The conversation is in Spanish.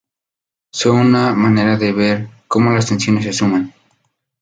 Son una manera de "ver" como las tensiones se suman.